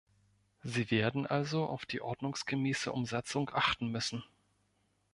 Sie werden also auf die ordnungsgemäße Umsetzung achten müssen.